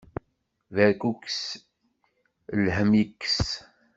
Berkukes, lhemm ikkes.